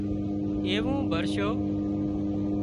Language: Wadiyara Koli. ايوون ڀرشو